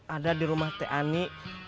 ada di rumah tni ani